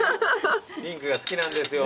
ピンクが好きなんですよ。